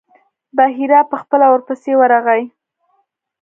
بحیرا په خپله ورپسې ورغی.